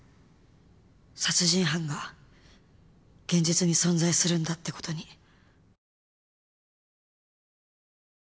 殺人犯が現実に存在するんだってことに。